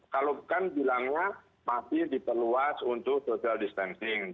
kalau kan bilangnya masih diperluas untuk social distancing